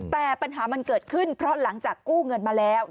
แต่ปัญหามันเกิดขึ้นเพราะหลังจากกู้เงินมาแล้ว